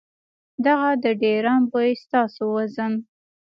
دغه د ډېران بوئي ستاسو وزن ،